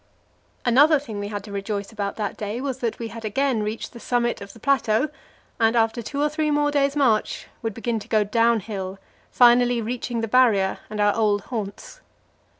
Another thing we had to rejoice about that day was that we had again reached the summit of the plateau, and after two or three more days' march would begin to go downhill, finally reaching the Barrier and our old haunts.